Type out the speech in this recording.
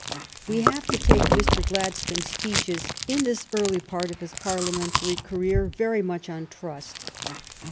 We have to take Mr. Gladstone s speeches in this early part of his Par liamentary career very much on trust.